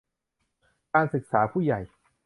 การศึกษาผู้ใหญ่